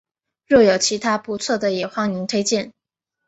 若有其他不错的也欢迎推荐